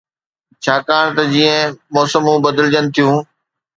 ڇاڪاڻ ته جيئن موسمون بدلجن ٿيون